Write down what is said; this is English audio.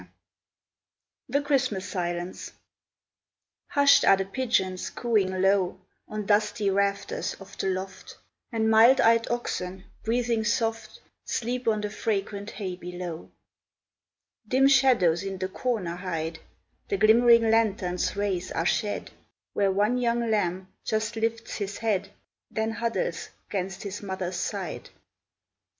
_ THE CHRISTMAS SILENCE Hushed are the pigeons cooing low, On dusty rafters of the loft; And mild eyed oxen, breathing soft, Sleep on the fragrant hay below. Dim shadows in the corner hide; The glimmering lantern's rays are shed Where one young lamb just lifts his head, Then huddles 'gainst his mother's side.